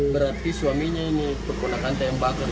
berarti suaminya ini pergunakan tembak